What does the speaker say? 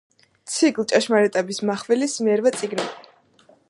ციკლ „ჭეშმარიტების მახვილის“ მერვე წიგნი.